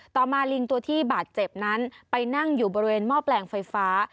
ต่อมาลิงตัวที่บาดเจ็บนั้นไปนั่งอยู่บริเวณหม้อแปลงไฟฟ้า